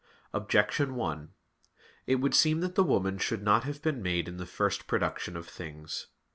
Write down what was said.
Objection 1: It would seem that the woman should not have been made in the first production of things.